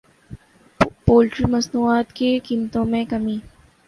poultry مصنوعات کی قیمتوں میں کمی